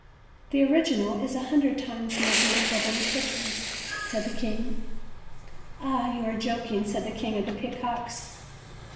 "The original is a hundred times more beautiful than the picture," said the king. "Ahl you are joking/' said the King of the Peacocks.